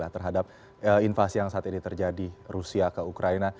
terhadap invasi yang saat ini terjadi rusia ke ukraina